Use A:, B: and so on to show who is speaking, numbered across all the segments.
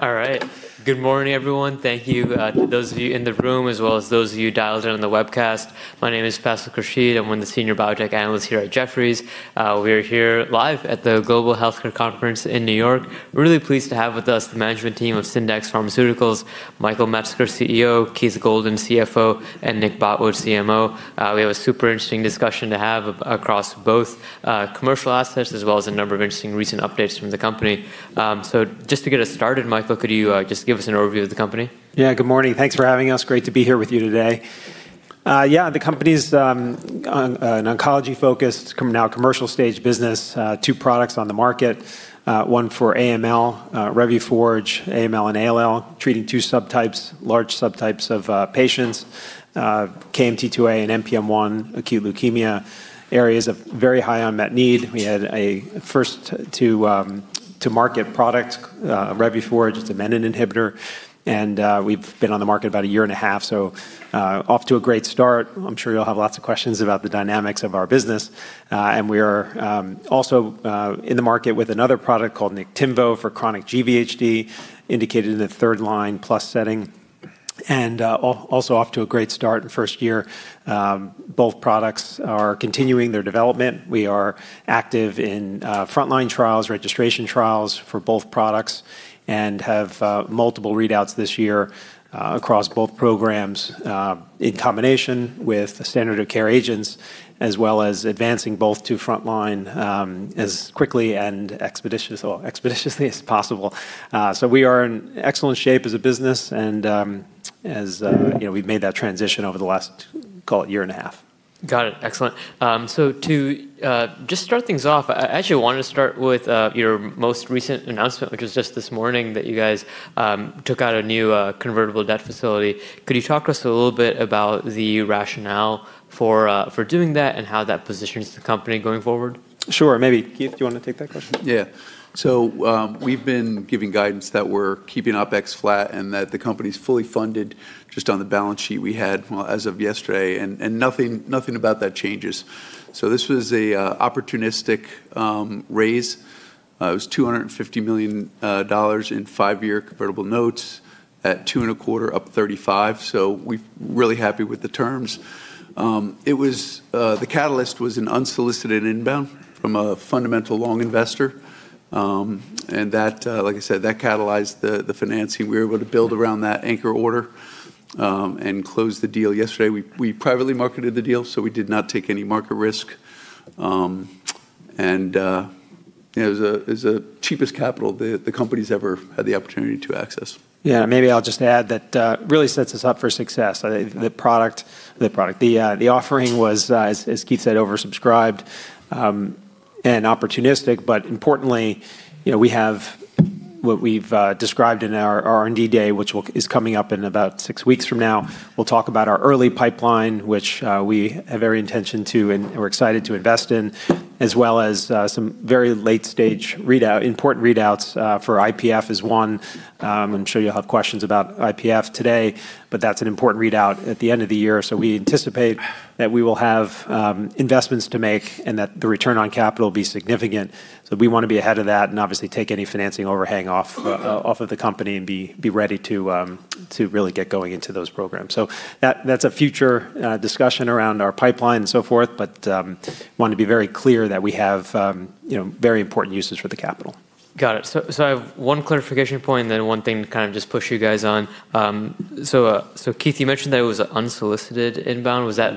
A: All right. Good morning, everyone. Thank you to those of you in the room, as well as those of you dialed in on the webcast. My name is Faisal Khurshid. I'm one of the senior biotech analysts here at Jefferies. We are here live at the Jefferies Global Healthcare Conference in New York. We're really pleased to have with us the management team of Syndax Pharmaceuticals, Michael Metzger, CEO, Keith Goldan, CFO, and Nick Botwood, CMO. We have a super interesting discussion to have across both commercial assets as well as a number of interesting recent updates from the company. Just to get us started, Michael, could you just give us an overview of the company?
B: Yeah. Good morning. Thanks for having us. Great to be here with you today. Yeah, the company's an oncology-focused, now commercial stage business, two products on the market, one for AML, Revuforj, AML and ALL, treating two subtypes, large subtypes of patients, KMT2A and NPM1 acute leukemia, areas of very high unmet need. We had a first-to-market product, Revuforj. It's a menin inhibitor. We've been on the market about a year and a half, so off to a great start. I'm sure you'll have lots of questions about the dynamics of our business. We are also in the market with another product called Niktimvo for chronic GVHD, indicated in the third-line plus setting, and also off to a great start in the first year. Both products are continuing their development. We are active in frontline trials, registration trials for both products and have multiple readouts this year across both programs in combination with the standard of care agents, as well as advancing both to frontline as quickly and expeditiously as possible. We are in excellent shape as a business and as we've made that transition over the last, call it a year and a half.
A: Got it. Excellent. To just start things off, I actually wanted to start with your most recent announcement, which was just this morning, that you guys took out a new convertible debt facility. Could you talk to us a little bit about the rationale for doing that and how that positions the company going forward?
B: Sure. Maybe, Keith, do you want to take that question?
C: Yeah. We've been giving guidance that we're keeping OpEx flat and that the company's fully funded just on the balance sheet we had as of yesterday, and nothing about that changes. It was $250 million in five-year convertible notes at two and a quarter up 35. We're really happy with the terms. The catalyst was an unsolicited inbound from a fundamental long investor. That, like I said, that catalyzed the financing. We were able to build around that anchor order and close the deal yesterday. We privately marketed the deal. We did not take any market risk. It was the cheapest capital the company's ever had the opportunity to access.
B: Yeah. Maybe I'll just add that really sets us up for success. I think the offering was, as Keith said, oversubscribed and opportunistic, but importantly, we have what we've described in our R&D day, which is coming up in about six weeks from now. We'll talk about our early pipeline, which we have every intention to and we're excited to invest in, as well as some very late-stage important readouts for IPF is one. I'm sure you'll have questions about IPF today, but that's an important readout at the end of the year. We anticipate that we will have investments to make and that the return on capital will be significant, so we want to be ahead of that and obviously take any financing overhang off of the company and be ready to really get going into those programs. That's a future discussion around our pipeline and so forth, but want to be very clear that we have very important uses for the capital.
A: Got it. I have one clarification point, then one thing to kind of just push you guys on. Keith, you mentioned that it was an unsolicited inbound. Was that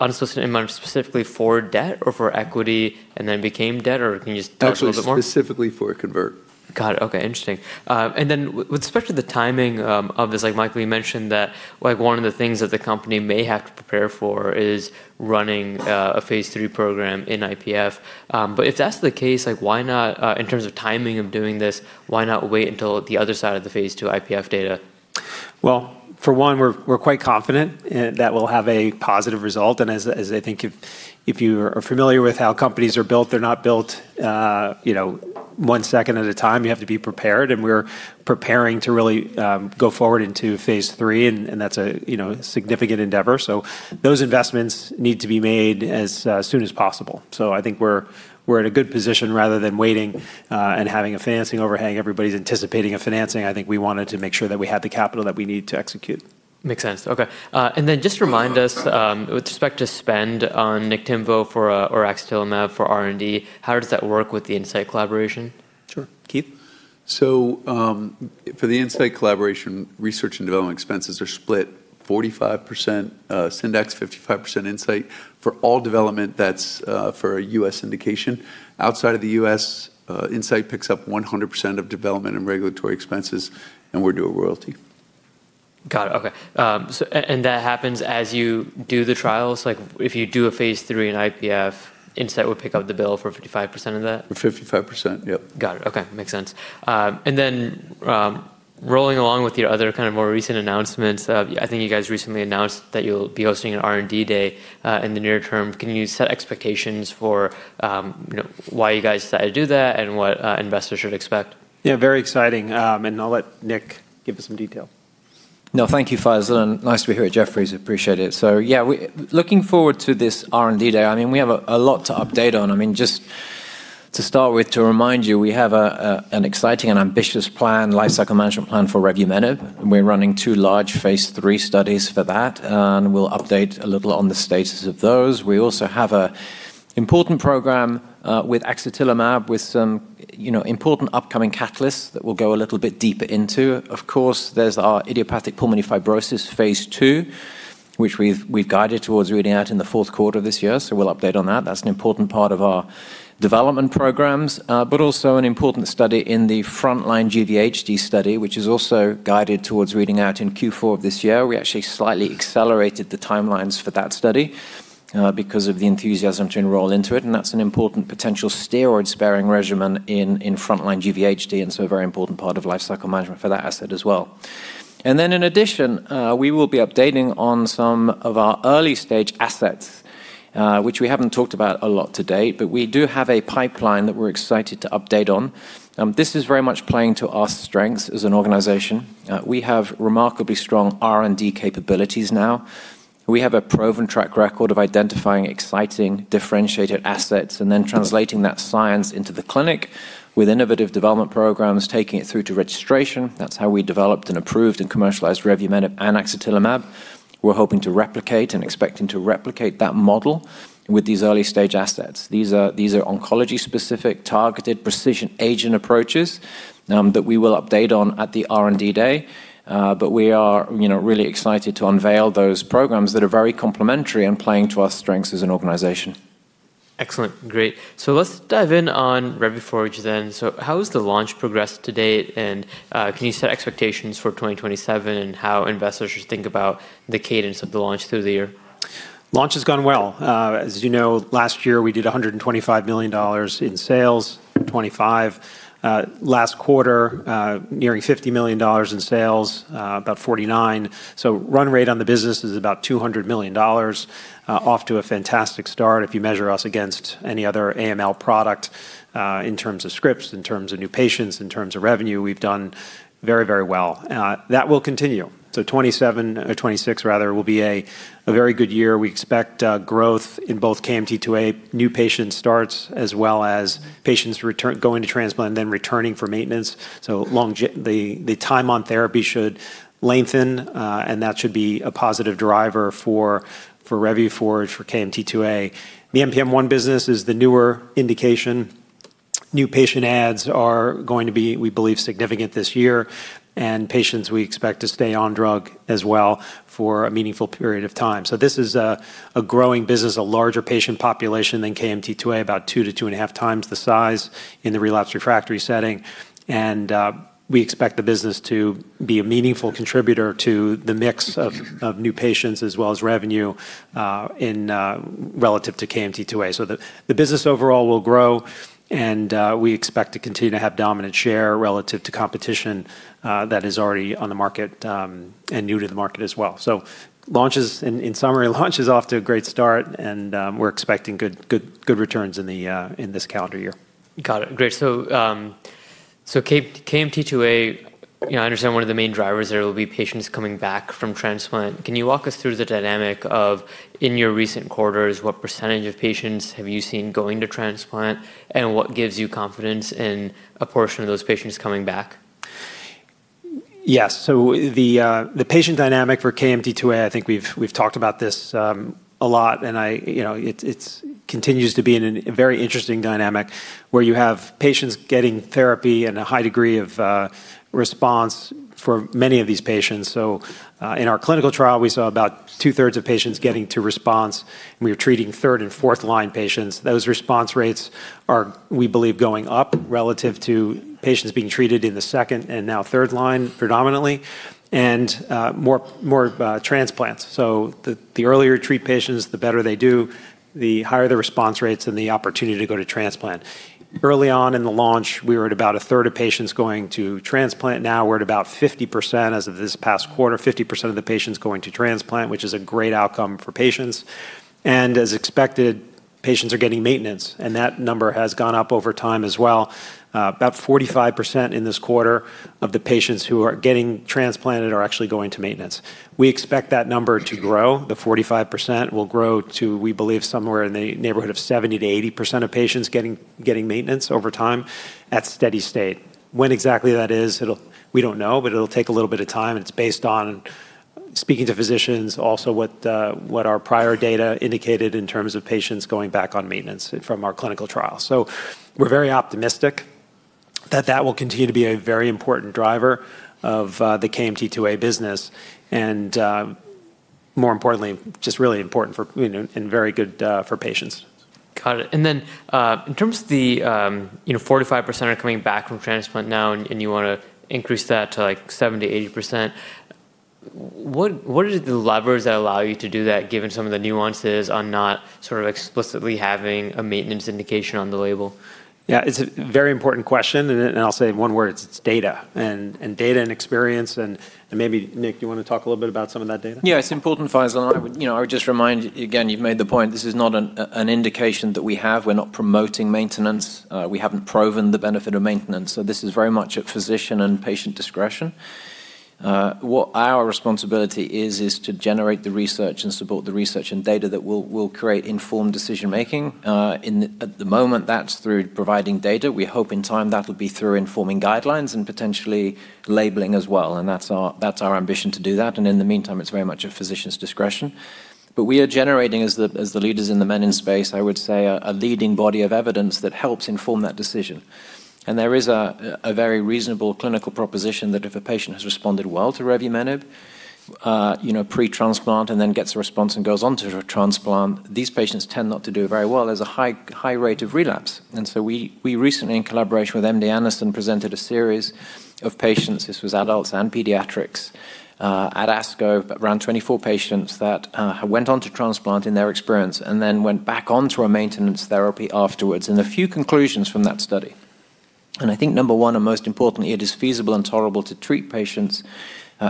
A: unsolicited inbound specifically for debt or for equity and then became debt, or can you just talk a little bit more?
C: Actually, specifically for convert.
A: Got it. Okay, interesting. With respect to the timing of this, like Michael, you mentioned that one of the things that the company may have to prepare for is running a phase III program in IPF. If that's the case, in terms of timing of doing this, why not wait until the other side of the phase II IPF data?
B: Well, for one, we're quite confident that we'll have a positive result, and as I think if you are familiar with how companies are built, they're not built one second at a time. You have to be prepared, and we're preparing to really go forward into phase III, and that's a significant endeavor. Those investments need to be made as soon as possible. I think we're in a good position rather than waiting and having a financing overhang. Everybody's anticipating a financing. I think we wanted to make sure that we had the capital that we need to execute.
A: Makes sense. Okay. Just remind us with respect to spend on Niktimvo or axatilimab for R&D, how does that work with the Incyte collaboration?
B: Sure. Keith?
C: For the Incyte collaboration, research and development expenses are split 45% Syndax, 55% Incyte for all development that's for a U.S. indication. Outside of the U.S., Incyte picks up 100% of development and regulatory expenses, and we do a royalty.
A: Got it. Okay. That happens as you do the trials? If you do a phase III in IPF, Incyte would pick up the bill for 55% of that?
C: For 55%, yep.
A: Got it. Okay. Makes sense. Rolling along with your other kind of more recent announcements, I think you guys recently announced that you'll be hosting an R&D day in the near term. Can you set expectations for why you guys decided to do that and what investors should expect?
B: Yeah, very exciting, and I'll let Nick give us some detail.
D: Thank you, Faisal, nice to be here at Jefferies. Appreciate it. Looking forward to this R&D day. We have a lot to update on. Just to start with, to remind you, we have an exciting and ambitious plan, lifecycle management plan for revumenib, we're running two large phase III studies for that, we'll update a little on the status of those. We also have an important program, with axatilimab, with some important upcoming catalysts that we'll go a little bit deeper into. Of course, there's our idiopathic pulmonary fibrosis phase II, which we've guided towards reading out in the fourth quarter of this year. We'll update on that. That's an important part of our development programs. Also an important study in the frontline GVHD study, which is also guided towards reading out in Q4 of this year. We actually slightly accelerated the timelines for that study, because of the enthusiasm to enroll into it. That's an important potential steroid-sparing regimen in frontline GVHD. A very important part of lifecycle management for that asset as well. In addition, we will be updating on some of our early-stage assets, which we haven't talked about a lot to date. We do have a pipeline that we're excited to update on. This is very much playing to our strengths as an organization. We have remarkably strong R&D capabilities now. We have a proven track record of identifying exciting, differentiated assets. Translating that science into the clinic with innovative development programs, taking it through to registration. That's how we developed and approved and commercialized revumenib and axatilimab. We're hoping to replicate and expecting to replicate that model with these early-stage assets. These are oncology-specific, targeted precision agent approaches that we will update on at the R&D day. We are really excited to unveil those programs that are very complementary and playing to our strengths as an organization.
A: Excellent. Great. Let's dive in on Revuforj then. How has the launch progressed to date, and can you set expectations for 2027 and how investors should think about the cadence of the launch through the year?
B: Launch has gone well. As you know, last year, we did $125 million in sales. Last quarter, nearing $50 million in sales. About $49 million. Run rate on the business is about $200 million. Off to a fantastic start if you measure us against any other AML product, in terms of scripts, in terms of new patients, in terms of revenue, we've done very well. That will continue. 2027, or 2026 rather, will be a very good year. We expect growth in both KMT2A new patient starts, as well as patients going to transplant and then returning for maintenance. The time on therapy should lengthen, and that should be a positive driver for Revuforj for KMT2A. The NPM1 business is the newer indication. New patient adds are going to be, we believe, significant this year, and patients we expect to stay on drug as well for a meaningful period of time. This is a growing business, a larger patient population than KMT2A, about two to two and a half times the size in the relapsed/refractory setting. We expect the business to be a meaningful contributor to the mix of new patients as well as revenue, relative to KMT2A. The business overall will grow, and we expect to continue to have dominant share relative to competition that is already on the market, and new to the market as well. In summary, launch is off to a great start, and we're expecting good returns in this calendar year.
A: Got it. Great. KMT2A, I understand one of the main drivers there will be patients coming back from transplant. Can you walk us through the dynamic of, in your recent quarters, what percentage of patients have you seen going to transplant, and what gives you confidence in a portion of those patients coming back?
B: Yes. The patient dynamic for KMT2A, I think we've talked about this a lot and it continues to be a very interesting dynamic where you have patients getting therapy and a high degree of response for many of these patients. In our clinical trial, we saw about 2/3 of patients getting to response, and we were treating third and fourth-line patients. Those response rates are, we believe, going up relative to patients being treated in the second and now third line predominantly, and more transplants. The earlier you treat patients, the better they do, the higher the response rates and the opportunity to go to transplant. Early on in the launch, we were at about a third of patients going to transplant. Now we're at about 50% as of this past quarter, 50% of the patients going to transplant, which is a great outcome for patients. As expected, patients are getting maintenance, and that number has gone up over time as well. About 45% in this quarter of the patients who are getting transplanted are actually going to maintenance. We expect that number to grow. The 45% will grow to, we believe, somewhere in the neighborhood of 70%-80% of patients getting maintenance over time at steady state. When exactly that is, we don't know, but it'll take a little bit of time, and it's based on speaking to physicians, also what our prior data indicated in terms of patients going back on maintenance from our clinical trial. We're very optimistic that that will continue to be a very important driver of the KMT2A business, and, more importantly, just really important and very good for patients.
A: Got it. In terms of the 45% are coming back from transplant now, you want to increase that to 70%-80%. What are the levers that allow you to do that given some of the nuances on not explicitly having a maintenance indication on the label?
B: Yeah. It's a very important question, and I'll say in one word, it's data, and data and experience. Maybe, Nick, do you want to talk a little bit about some of that data?
D: It's important, Faisal. I would just remind you again, you've made the point, this is not an indication that we have. We're not promoting maintenance. We haven't proven the benefit of maintenance. This is very much at physician and patient discretion. What our responsibility is to generate the research and support the research and data that will create informed decision-making. At the moment, that's through providing data. We hope in time that'll be through informing guidelines and potentially labeling as well, and that's our ambition to do that. In the meantime, it's very much a physician's discretion. We are generating, as the leaders in the menin space, I would say, a leading body of evidence that helps inform that decision. There is a very reasonable clinical proposition that if a patient has responded well to revumenib pre-transplant and then gets a response and goes on to transplant, these patients tend not to do very well. There is a high rate of relapse. We recently, in collaboration with MD Anderson, presented a series of patients, this was adults and pediatrics, at ASCO. Around 24 patients that went on to transplant in their experience and then went back onto a maintenance therapy afterwards, and a few conclusions from that study. I think number one and most importantly, it is feasible and tolerable to treat patients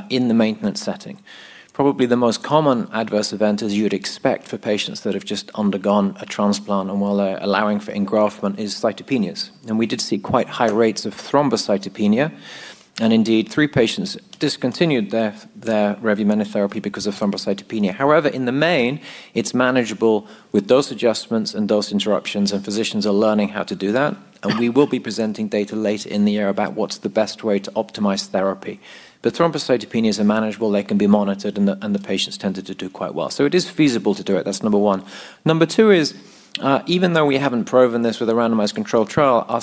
D: in the maintenance setting. Probably the most common adverse event, as you would expect for patients that have just undergone a transplant and while they are allowing for engraftment, is cytopenias. We did see quite high rates of thrombocytopenia, and indeed, three patients discontinued their revumenib therapy because of thrombocytopenia. However, in the main, it's manageable with dose adjustments and dose interruptions, and physicians are learning how to do that. We will be presenting data later in the year about what's the best way to optimize therapy. The thrombocytopenias are manageable. They can be monitored, and the patients tended to do quite well. It is feasible to do it. That's number one. Number two is, even though we haven't proven this with a randomized controlled trial, our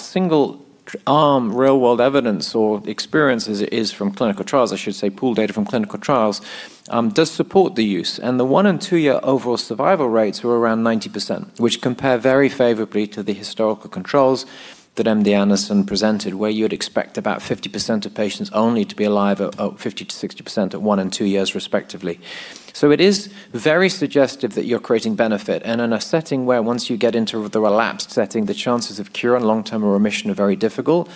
D: single-arm real-world evidence or experience as it is from clinical trials, I should say, pooled data from clinical trials, does support the use. The one and two-year overall survival rates were around 90%, which compare very favorably to the historical controls that MD Anderson presented, where you would expect about 50% of patients only to be alive, or 50%-60% at one and two years respectively. It is very suggestive that you're creating benefit. In a setting where once you get into the relapsed setting, the chances of cure and long-term remission are very difficult,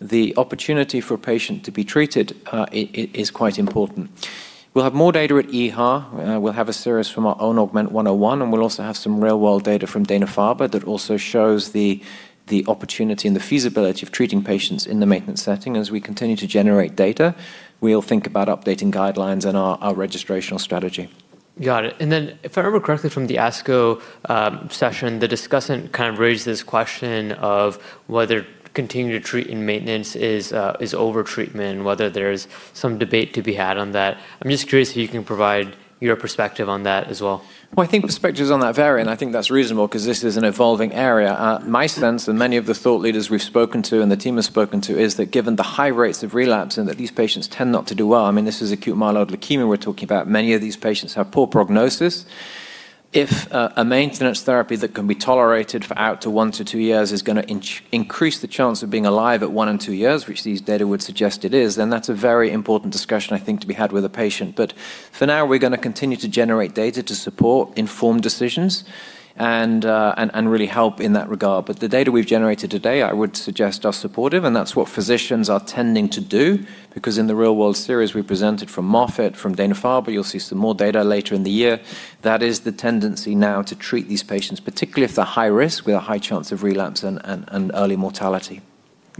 D: the opportunity for a patient to be treated is quite important. We'll have more data at EHA. We'll have a series from our own AUGMENT-101, and we'll also have some real-world data from Dana-Farber that also shows the opportunity and the feasibility of treating patients in the maintenance setting. As we continue to generate data, we'll think about updating guidelines and our registrational strategy.
A: Got it. If I remember correctly from the ASCO session, the discussant kind of raised this question of whether continuing to treat in maintenance is over-treatment, whether there's some debate to be had on that. I'm just curious if you can provide your perspective on that as well.
D: Well, I think perspectives on that vary, and I think that's reasonable because this is an evolving area. My sense, and many of the thought leaders we've spoken to and the team has spoken to, is that given the high rates of relapse and that these patients tend not to do well, this is acute myeloid leukemia we're talking about. Many of these patients have poor prognosis. If a maintenance therapy that can be tolerated for out to one to two years is going to increase the chance of being alive at one and two years, which these data would suggest it is, that's a very important discussion, I think, to be had with a patient. For now, we're going to continue to generate data to support informed decisions and really help in that regard. The data we've generated today, I would suggest, are supportive, and that's what physicians are tending to do. In the real-world series we presented from Moffitt, from Dana-Farber, you'll see some more data later in the year. That is the tendency now to treat these patients, particularly if they're high risk with a high chance of relapse and early mortality.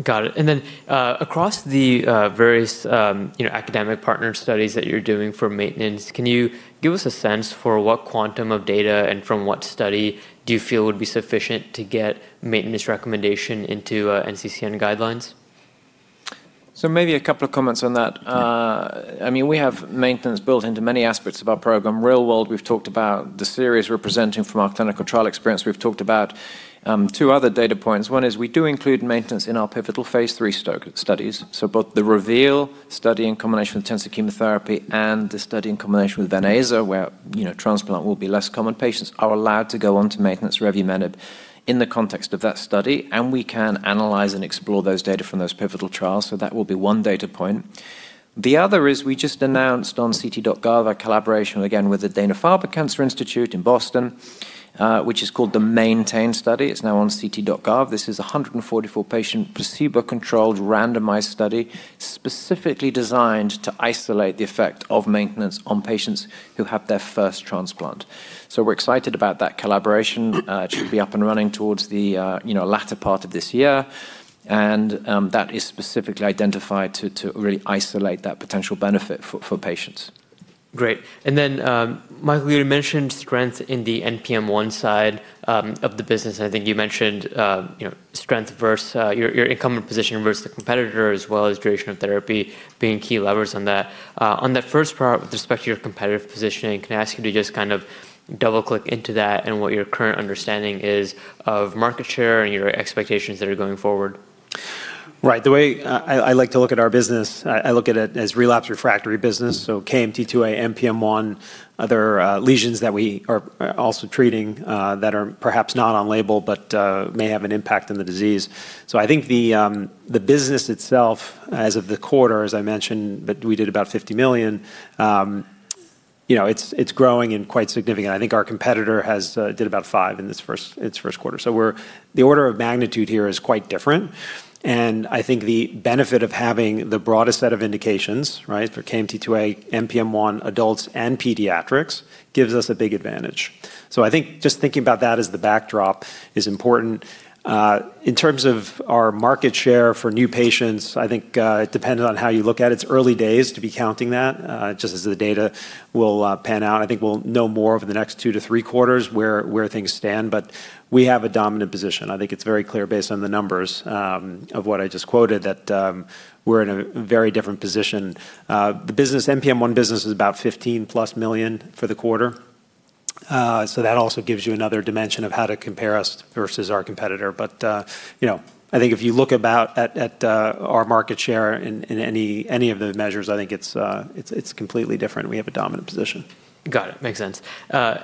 A: Got it. Then across the various academic partner studies that you're doing for maintenance, can you give us a sense for what quantum of data and from what study do you feel would be sufficient to get maintenance recommendation into NCCN guidelines?
D: Maybe a couple of comments on that. We have maintenance built into many aspects of our program. Real world, we've talked about the series we're presenting from our clinical trial experience. We've talked about two other data points. One is we do include maintenance in our pivotal phase III studies. Both the REVEAL study in combination with intensive chemotherapy and the study in combination with venetoclax, where transplant will be less common. Patients are allowed to go on to maintenance revumenib in the context of that study, and we can analyze and explore those data from those pivotal trials. That will be one data point. The other is we just announced on ct.gov our collaboration, again, with the Dana-Farber Cancer Institute in Boston, which is called the MAINTAIN Study. It's now on ct.gov. This is a 144-patient placebo-controlled randomized study specifically designed to isolate the effect of maintenance on patients who have their first transplant. We're excited about that collaboration. It should be up and running towards the latter part of this year, and that is specifically identified to really isolate that potential benefit for patients.
A: Great. Then, Michael, you had mentioned strength in the NPM1 side of the business, and I think you mentioned your incumbent position versus the competitor, as well as duration of therapy being key levers on that. On that first part with respect to your competitive positioning, can I ask you to just kind of double-click into that and what your current understanding is of market share and your expectations there going forward?
B: Right. The way I like to look at our business, I look at it as relapse refractory business. KMT2A, NPM1, other lesions that we are also treating that are perhaps not on label but may have an impact on the disease. I think the business itself as of the quarter, as I mentioned, we did about $50 million. It's growing and quite significant. I think our competitor did about $5 in its first quarter. The order of magnitude here is quite different, and I think the benefit of having the broadest set of indications for KMT2A, NPM1 adults and pediatrics gives us a big advantage. I think just thinking about that as the backdrop is important. In terms of our market share for new patients, I think it depended on how you look at it. It's early days to be counting that just as the data will pan out. I think we'll know more over the next two to three quarters where things stand. We have a dominant position. I think it's very clear based on the numbers of what I just quoted, that we're in a very different position. The NPM1 business is about $15+ million for the quarter, that also gives you another dimension of how to compare us versus our competitor. I think if you look about at our market share in any of the measures, I think it's completely different. We have a dominant position.
A: Got it. Makes sense. I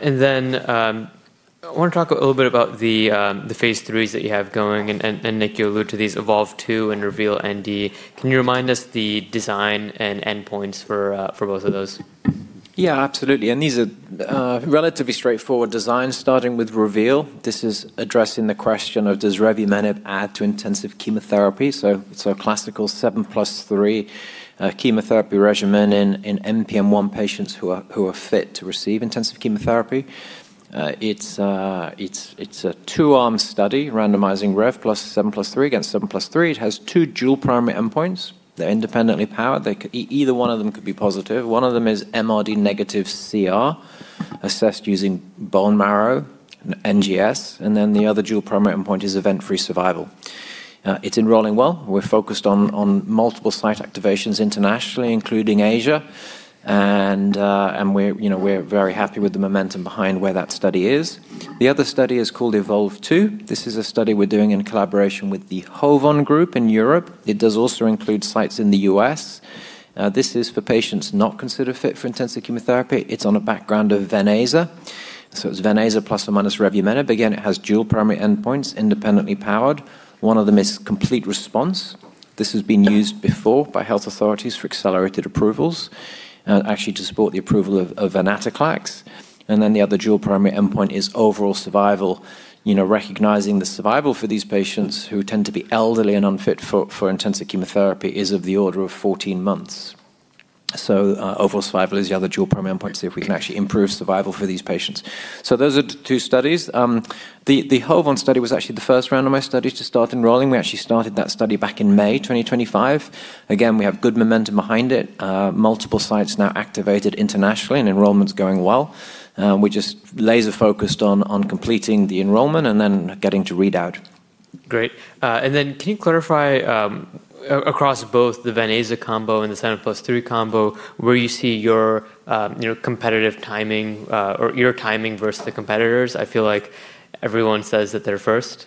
A: want to talk a little bit about the phase III that you have going, and Nick, you alluded to these EVOLVE-2 and REVEAL-ND. Can you remind us the design and endpoints for both of those?
D: Yeah, absolutely. These are relatively straightforward designs starting with REVEAL. This is addressing the question of does revumenib add to intensive chemotherapy? Classical 7+3 chemotherapy regimen in NPM1 patients who are fit to receive intensive chemotherapy. It's a two-arm study randomizing rev plus 7+3 against 7+3. It has two dual primary endpoints. They're independently powered. Either one of them could be positive. One of them is MRD negative CR assessed using bone marrow NGS, and then the other dual primary endpoint is event-free survival. It's enrolling well. We're focused on multiple site activations internationally, including Asia. We're very happy with the momentum behind where that study is. The other study is called EVOLVE-2. This is a study we're doing in collaboration with the HOVON group in Europe. It does also include sites in the U.S. This is for patients not considered fit for intensive chemotherapy. It's on a background of Venclexta. It's Venclexta plus or minus revumenib. It has dual primary endpoints independently powered. One of them is complete response. This has been used before by health authorities for accelerated approvals, actually to support the approval of venetoclax. The other dual primary endpoint is overall survival. Recognizing the survival for these patients who tend to be elderly and unfit for intensive chemotherapy is of the order of 14 months. Overall survival is the other dual primary endpoint to see if we can actually improve survival for these patients. Those are two studies. The HOVON study was actually the first randomized study to start enrolling. We actually started that study back in May 2025. We have good momentum behind it. Multiple sites now activated internationally and enrollment's going well. We're just laser-focused on completing the enrollment and then getting to readout.
A: Great. Then can you clarify across both the Venclexta combo and the 7+3 combo where you see your competitive timing or your timing versus the competitors? I feel like everyone says that they're first.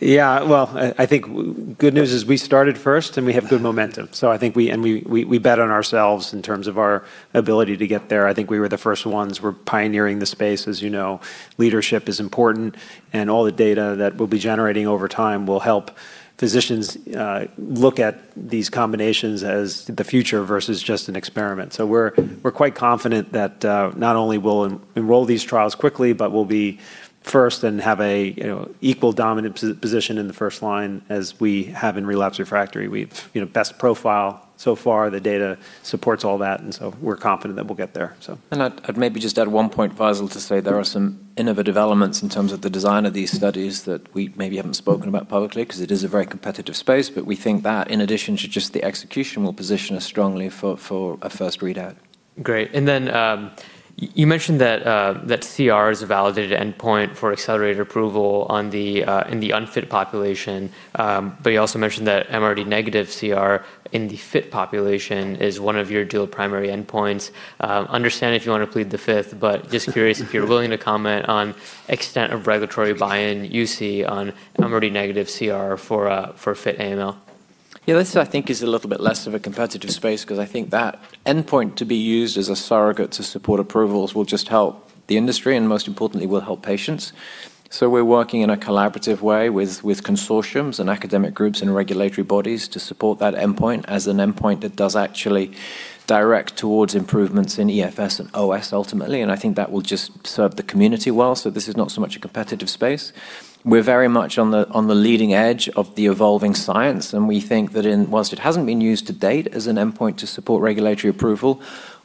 B: Yeah. Well, I think good news is we started first, and we have good momentum. I think we bet on ourselves in terms of our ability to get there. I think we were the first ones. We're pioneering the space. As you know, leadership is important, and all the data that we'll be generating over time will help physicians look at these combinations as the future versus just an experiment. We're quite confident that not only we'll enroll these trials quickly, but we'll be first and have an equal dominant position in the first line as we have in relapse refractory. We've best profile so far. The data supports all that. We're confident that we'll get there.
D: I'd maybe just add one point, Faisal, to say there are some innovative elements in terms of the design of these studies that we maybe haven't spoken about publicly because it is a very competitive space, but we think that in addition to just the execution will position us strongly for a first readout.
A: Great. You mentioned that CR is a validated endpoint for accelerated approval in the unfit population. You also mentioned that MRD negative CR in the fit population is one of your dual primary endpoints. Understand if you want to plead the fifth, but just curious if you're willing to comment on extent of regulatory buy-in you see on MRD negative CR for fit AML.
D: Yeah. This I think is a little bit less of a competitive space because I think that endpoint to be used as a surrogate to support approvals will just help the industry and most importantly will help patients. We're working in a collaborative way with consortiums and academic groups and regulatory bodies to support that endpoint as an endpoint that does actually direct towards improvements in EFS and OS ultimately. I think that will just serve the community well. This is not so much a competitive space. We're very much on the leading edge of the evolving science, and we think that whilst it hasn't been used to date as an endpoint to support regulatory approval,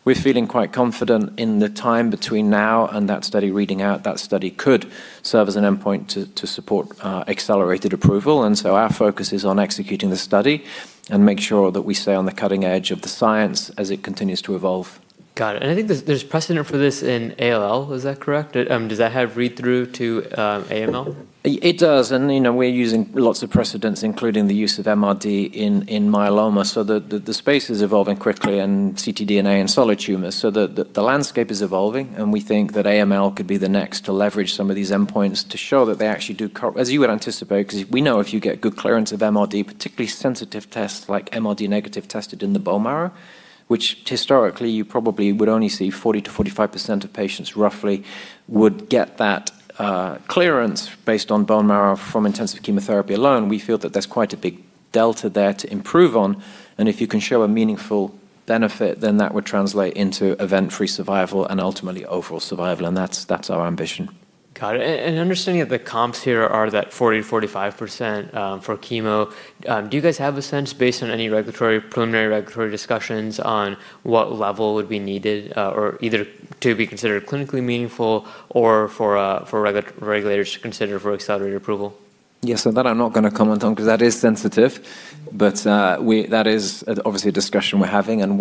D: we're feeling quite confident in the time between now and that study reading out that study could serve as an endpoint to support accelerated approval. Our focus is on executing the study and make sure that we stay on the cutting edge of the science as it continues to evolve.
A: Got it. I think there's precedent for this in ALL. Is that correct? Does that have read through to AML?
D: It does, and we're using lots of precedents, including the use of MRD in myeloma. The space is evolving quickly and ctDNA in solid tumors. The landscape is evolving, and we think that AML could be the next to leverage some of these endpoints to show that they actually. As you would anticipate, because we know if you get good clearance of MRD, particularly sensitive tests like MRD negative tested in the bone marrow, which historically you probably would only see 40%-45% of patients roughly would get that clearance based on bone marrow from intensive chemotherapy alone. We feel that there's quite a big delta there to improve on, and if you can show a meaningful benefit, then that would translate into event-free survival and ultimately overall survival, and that's our ambition.
A: Got it. Understanding that the comps here are that 40%-45% for chemo, do you guys have a sense, based on any preliminary regulatory discussions on what level would be needed, or either to be considered clinically meaningful or for regulators to consider for accelerated approval?
D: Yes. That I'm not going to comment on because that is sensitive, but that is obviously a discussion we're having and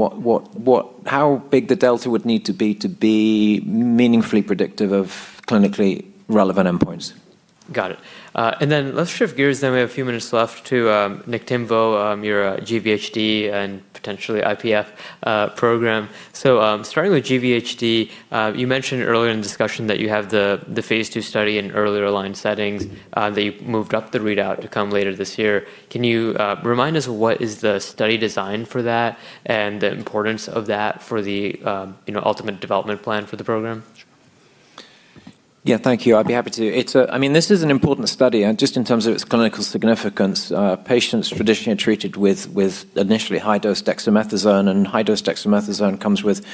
D: how big the delta would need to be to be meaningfully predictive of clinically relevant endpoints.
A: Got it. Let's shift gears then, we have a few minutes left, to Niktimvo, your GVHD and potentially IPF program. Starting with GVHD, you mentioned earlier in discussion that you have the phase II study in earlier line settings. They moved up the readout to come later this year. Can you remind us what is the study design for that and the importance of that for the ultimate development plan for the program?
D: Sure. Yeah, thank you. I'd be happy to. This is an important study just in terms of its clinical significance. Patients traditionally are treated with initially high-dose dexamethasone, and high-dose dexamethasone comes with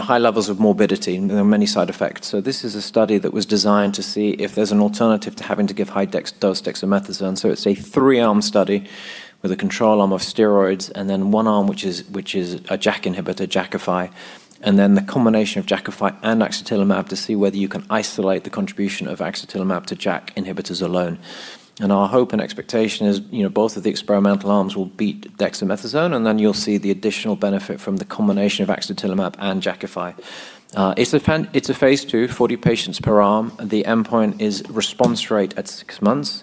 D: high levels of morbidity and there are many side effects. This is a study that was designed to see if there's an alternative to having to give high-dose dexamethasone. It's a three-arm study with a control arm of steroids and then one arm which is a JAK inhibitor, Jakafi, and then the combination of Jakafi and axatilimab to see whether you can isolate the contribution of axatilimab to JAK inhibitors alone. Our hope and expectation is both of the experimental arms will beat dexamethasone, and then you'll see the additional benefit from the combination of axatilimab and Jakafi. It's a phase II, 40 patients per arm. The endpoint is response rate at six months.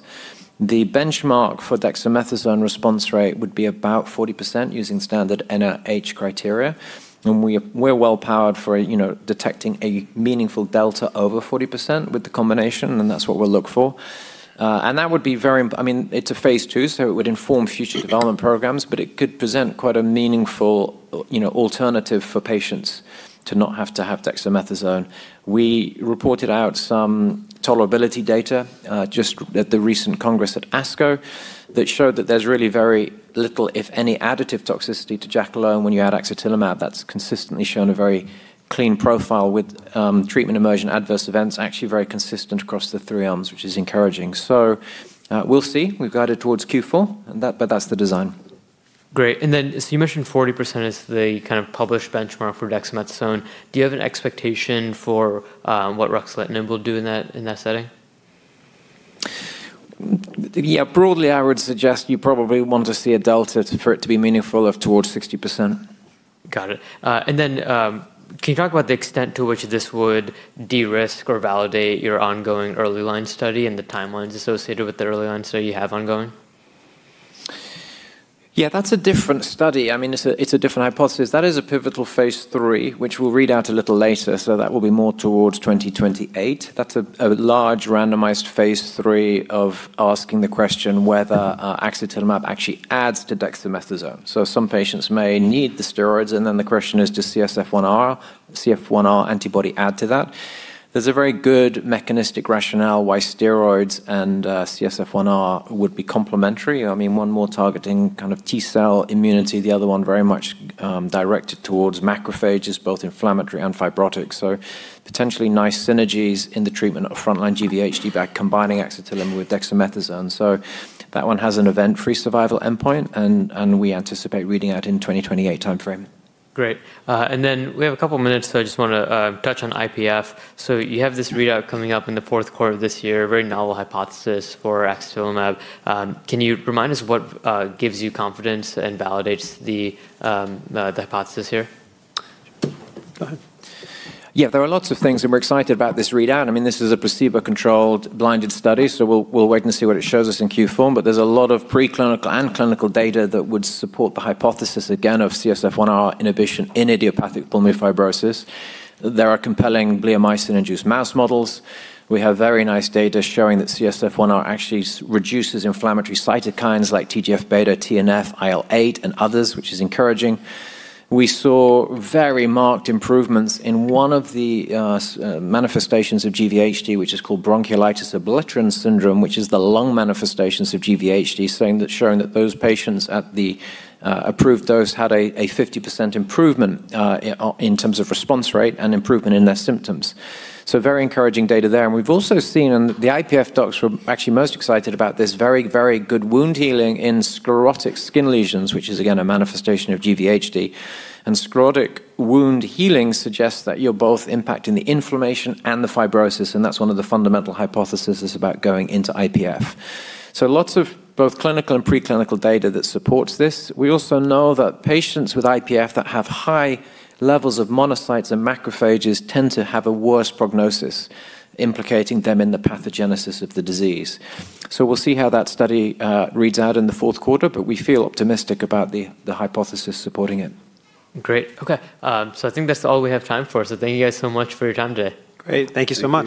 D: The benchmark for dexamethasone response rate would be about 40% using standard NIH criteria. We're well-powered for detecting a meaningful delta over 40% with the combination, that's what we'll look for. It's a phase II, it would inform future development programs, it could present quite a meaningful alternative for patients to not have to have dexamethasone. We reported out some tolerability data just at the recent congress at ASCO that showed that there's really very little, if any, additive toxicity to JAK alone when you add axatilimab. That's consistently shown a very clean profile with treatment-emergent adverse events actually very consistent across the three arms, which is encouraging. We'll see. We've guided towards Q4, that's the design.
A: Great. You mentioned 40% is the kind of published benchmark for dexamethasone. Do you have an expectation for what ruxolitinib will do in that setting?
D: Yeah. Broadly, I would suggest you probably want to see a delta for it to be meaningful of towards 60%.
A: Got it. Can you talk about the extent to which this would de-risk or validate your ongoing early line study and the timelines associated with the early line study you have ongoing?
D: Yeah, that's a different study. It's a different hypothesis. That is a pivotal phase III, which we'll read out a little later, so that will be more towards 2028. That's a large randomized phase III of asking the question whether axatilimab actually adds to dexamethasone. Some patients may need the steroids, and then the question is, does CSF1R antibody add to that? There's a very good mechanistic rationale why steroids and CSF1R would be complementary. One more targeting T cell immunity, the other one very much directed towards macrophages, both inflammatory and fibrotic. Potentially nice synergies in the treatment of frontline GVHD by combining axatilimab with dexamethasone. That one has an event-free survival endpoint, and we anticipate reading out in 2028 timeframe.
A: Great. We have a couple of minutes. I just want to touch on IPF. You have this readout coming up in the fourth quarter of this year. Very novel hypothesis for axatilimab. Can you remind us what gives you confidence and validates the hypothesis here?
D: Go ahead. Yeah, there are lots of things, and we're excited about this readout. This is a placebo-controlled blinded study, so we'll wait and see what it shows us in Q4, but there's a lot of preclinical and clinical data that would support the hypothesis again of CSF1R inhibition in idiopathic pulmonary fibrosis. There are compelling bleomycin-induced mouse models. We have very nice data showing that CSF1R actually reduces inflammatory cytokines like TGF-beta, TNF, IL-8, and others, which is encouraging. We saw very marked improvements in one of the manifestations of GVHD, which is called bronchiolitis obliterans syndrome, which is the lung manifestations of GVHD, showing that those patients at the approved dose had a 50% improvement in terms of response rate and improvement in their symptoms. Very encouraging data there. We've also seen, and the IPF docs were actually most excited about this, very good wound healing in sclerotic skin lesions, which is again a manifestation of GVHD. Sclerotic wound healing suggests that you're both impacting the inflammation and the fibrosis, and that's one of the fundamental hypotheses about going into IPF. Lots of both clinical and preclinical data that supports this. We also know that patients with IPF that have high levels of monocytes and macrophages tend to have a worse prognosis, implicating them in the pathogenesis of the disease. We'll see how that study reads out in the fourth quarter, but we feel optimistic about the hypothesis supporting it.
A: Great. Okay. I think that's all we have time for. Thank you guys so much for your time today.
D: Great. Thank you so much.